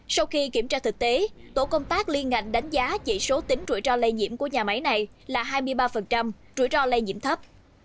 sau khi kiểm tra thực tế tổ công tác liên ngành đánh giá chỉ số tính rủi ro lây nhiễm của nhà máy này là hai mươi ba rủi ro lây nhiễm thấp